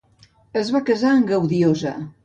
Es va casar amb Gaudiosa.